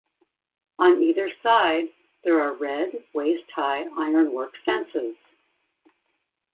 On either side, there are red, waist-high, ironwork fences.